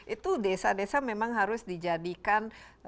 itu desa desa memang harus dijadikan